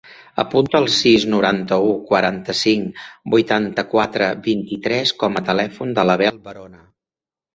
Apunta el sis, noranta-u, quaranta-cinc, vuitanta-quatre, vint-i-tres com a telèfon de l'Abel Varona.